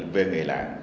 về người làng